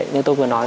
như tôi vừa nói